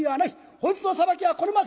本日の裁きはこれまで。